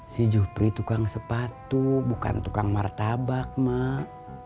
si jupri tukang sepatu bukan tukang martabak mak